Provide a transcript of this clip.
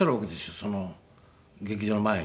その劇場前に。